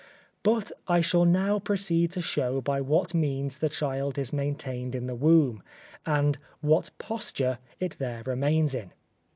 But I shall now proceed to show by what means the child is maintained in the womb, and what posture it there remains in.